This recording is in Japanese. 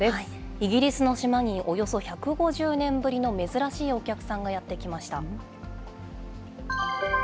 イギリスの島におよそ１５０年ぶりの珍しいお客さんがやって来ました。